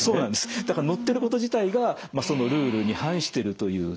だから載ってること自体がそのルールに反してるというところですね。